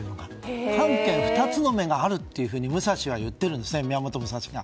見２つの目があると宮本武蔵は言っているんですね。